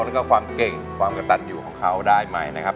แล้วก็ความเก่งความกระตันอยู่ของเขาได้ไหมนะครับ